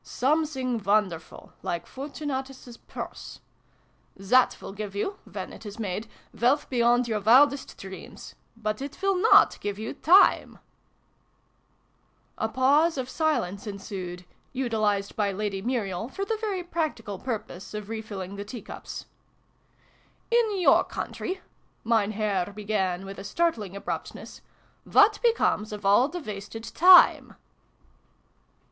" Something wonderful like Fortunatus's Purse ? That will give you when it is made wealth beyond your wildest dreams : but it will not give you Time !" A pause of silence ensued utilised by Lady Muriel for the very practical purpose of refilling the teacups. " In your country," Mein Herr began with a startling abruptness, "what becomes of all the wasted Time